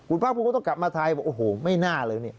คุณพ่าคุมก็ต้องกลับมาไทยโอ้โหไม่น่าเลยนี่